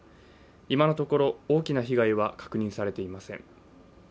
今のところ大きな被害は確認されていません。